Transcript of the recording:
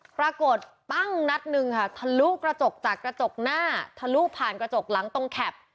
ปรากฏปั้งนัดหนึ่งค่ะทะลุกระจกจากกระจกหน้าทะลุผ่านกระจกหลังตรงแคป